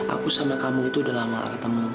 aku sama kamu itu udah lama gak ketemu